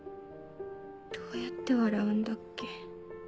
どうやって笑うんだっけ。